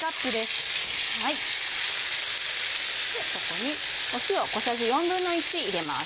ここに塩小さじ１／４入れます。